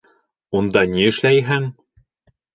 Унда ни эшләйһең?